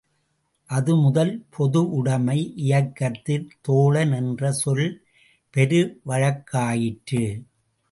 அதுமுதல், பொதுவுடைமை இயக்கத்தில் தோழன் என்ற சொல் பெருவழக்காயிற்று.